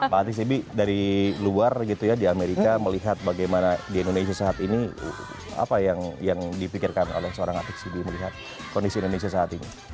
pak ati sibi dari luar gitu ya di amerika melihat bagaimana di indonesia saat ini apa yang dipikirkan oleh seorang atik sibi melihat kondisi indonesia saat ini